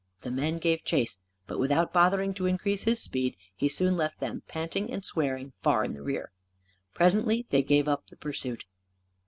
The men gave chase. But, without bothering to increase his speed, he soon left; them panting and swearing, far in the rear. Presently, they gave up the pursuit.